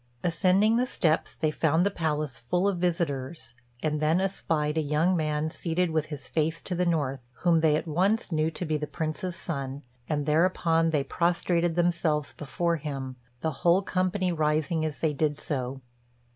Ascending the steps, they found the place full of visitors, and then espied a young man seated with his face to the north, whom they at once knew to be the Prince's son, and thereupon they prostrated themselves before him, the whole company rising as they did so.